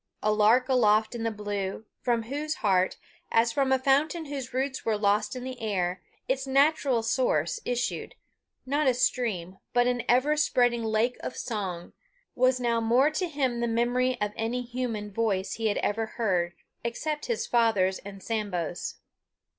A lark aloft in the blue, from whose heart, as from a fountain whose roots were lost in the air, its natural source, issued, not a stream, but an ever spreading lake of song, was now more to him than the memory of any human voice he had ever heard, except his father's and Sambo's.